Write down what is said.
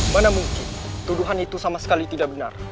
mana mungkin tuduhan itu sama sekali tidak benar